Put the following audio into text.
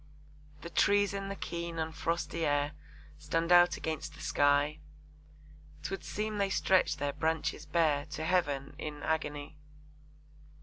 The trees in the keen and frosty air Stand out against the sky, 'Twould seem they stretch their branches bare To Heaven in agony.